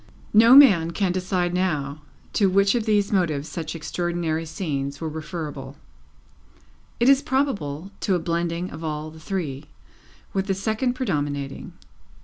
No man can decide now to which of these motives such extraordinary scenes were referable; it is probable, to a blending of all the three, with the second predominating.